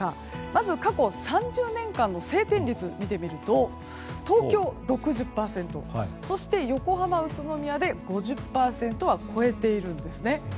まず、過去３０年間の晴天率を見てみると東京、６０％そして横浜、宇都宮で５０％は超えているんですね。